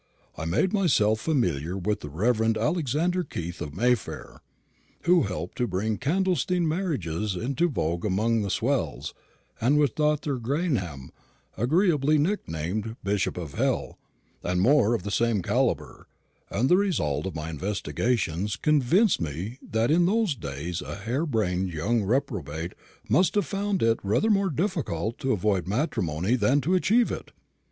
I made myself familiar with the Rev. Alexander Keith of Mayfair, who helped to bring clandestine marriages into vogue amongst the swells, and with Dr. Gaynham agreeably nicknamed Bishop of Hell and more of the same calibre; and the result of my investigations convinced me that in those days a hare brained young reprobate must have found it rather more difficult to avoid matrimony than to achieve it.